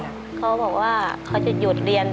เขาบอกว่าเขาจะหยุดเรียน